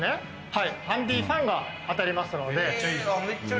はいハンディーファンが当たりますのでへえ